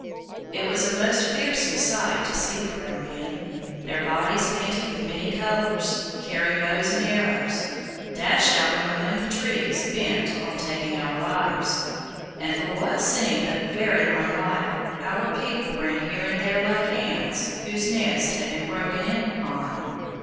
It was a most fearsome sight to see the brown men, their bodies painted with many colors, carrying bows and arrows, dash out from among the trees bent on taking our lives, and for what seemed a very long while our people ran here and there like ants whose nest has been broken in upon.